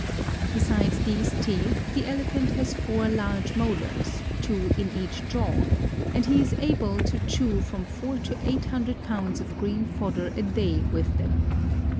Besides these teeth the Elephant has four large molars, two in each jaw, and he is able to chew from four to eight hundred pounds of green fodder a day with them.